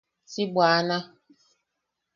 Si bwana.